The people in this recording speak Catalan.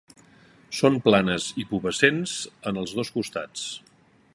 Són planes i pubescents en els dos costats.